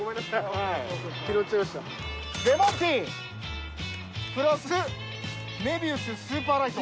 レモンティープラスメビウススーパーライト。